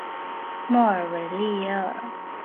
莫尔维利耶尔。